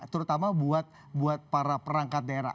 bukan ada yang bisa dibuat buat para perangkat daerah